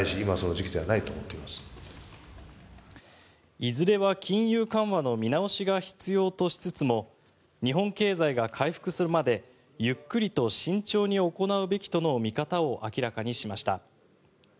いずれは金融緩和の見直しが必要としつつも日本経済が回復するまでゆっくりと慎重に行うべきとの見方を明らかにしました。